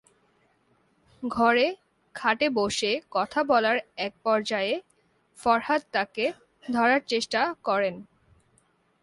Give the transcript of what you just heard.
ঘরে খাটে বসে কথা বলার একপর্যায়ে ফরহাদ তাঁকে ধরার চেষ্টা করেন।